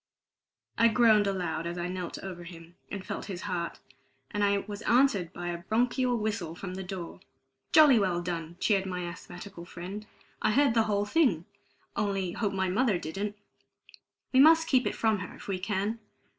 I groaned aloud as I knelt over him and felt his heart. And I was answered by a bronchial whistle from the door. "Jolly well done!" cheered my asthmatical friend. "I heard the whole thing only hope my mother didn't. We must keep it from her if we can."